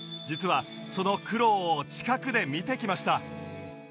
実はその苦労を近くで見てきました